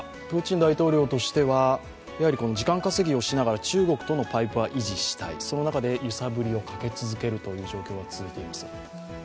プーチン大統領としては、時間稼ぎをしながら中国とのパイプは維持したい、その中で揺さぶりをかけ続ける状況が続いています。